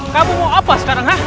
kamu mau apa sekarang